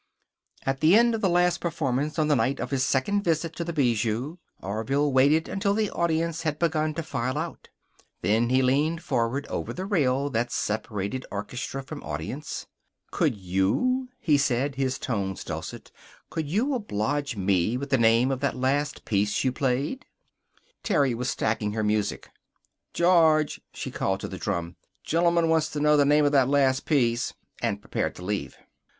At the end of the last performance on the night of his second visit to the Bijou, Orville waited until the audience had begun to file out. Then he leaned forward over the rail that separated orchestra from audience. "Could you," he said, his tones dulcet, "could you oblige me with the name of that last piece you played?" Terry was stacking her music. "George!" she called to the drum. "Gentleman wants to know the name of that last piece." And prepared to leave.